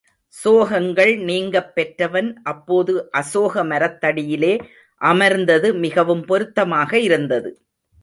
சோகங்கள் நீங்கப் பெற்றவன் அப்போது அசோக மரத்தடியிலே அமர்ந்தது மிகவும் பொருத்தமாக இருந்தது.